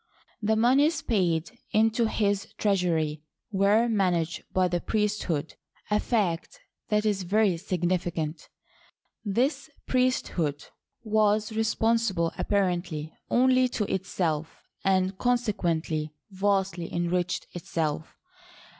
The moneys paid into his treasury were managed by the priesthood — a fact that is very significant. This priesthood was responsible apparently only to itself, and consequently vastly enriched itself.